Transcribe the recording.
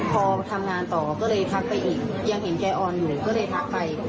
พอทำงานต่อก็เลยทักไปอีกยังเห็นใจอ่อนอยู่ก็เลยทักไป